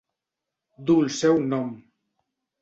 Du el seu nom.